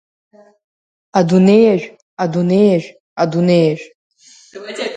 Адунеиажә, адунеиажә, адунеиажә…